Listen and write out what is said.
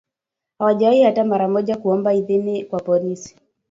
Hawajawahi hata mara moja kuomba idhini kwa polisi